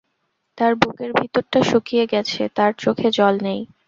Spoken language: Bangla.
তার বুকের ভিতরটা শুকিয়ে গেছে, তার চোখে জল নেই।